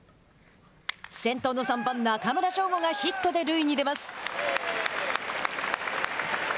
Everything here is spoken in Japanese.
先頭の３番中村奨吾がヒットで塁に出ます。